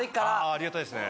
ありがたいですね。